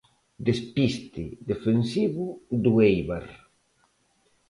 Despiste defensivo do Éibar.